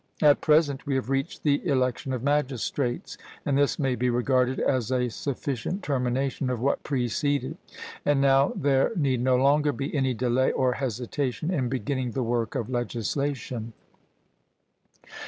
At present we have reached the election of magistrates, and this may be regarded as a sufficient termination of what preceded. And now there need no longer be any delay or hesitation in beginning the work of legislation.